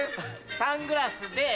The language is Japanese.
サングラス。